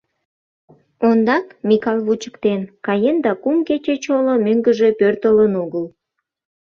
Ондак Микал вучыктен: каен да кум кече чоло мӧҥгыжӧ пӧртылын огыл.